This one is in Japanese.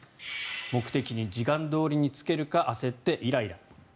目的地に時間どおりに着けるか焦ってイライラ。